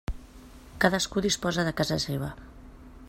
Cadascú disposa de casa seva.